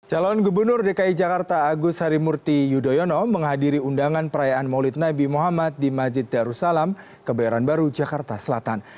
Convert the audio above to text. calon gubernur dki jakarta agus harimurti yudhoyono menghadiri undangan perayaan maulid nabi muhammad di masjid darussalam kebayoran baru jakarta selatan